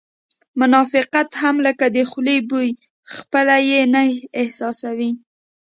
منافقت هم لکه د خولې بوی خپله یې نه احساسوې